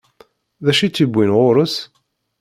D acu i tt-iwwin ɣur-s?